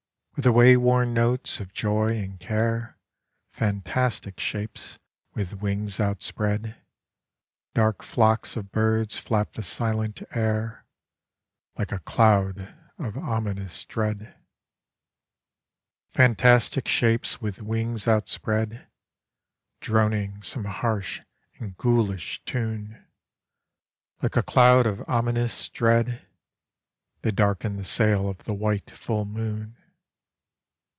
With the way worn notes of joy and care Fantastic shapes with wings outspread, Dark flocks of birds flap the silent air, Like a cloud of ominous dread. Fantastic shapes with wings outspread, Droning some harsh and ghoulish tune, Like a cloud of ominous dread, They darken the sail of the white full moon.